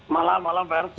malam malam pak